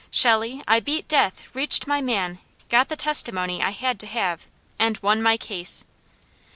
"'Shelley, I beat death, reached my man, got the testimony I had to have, and won my case.'"